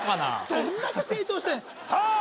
どんだけ成長したいんださあ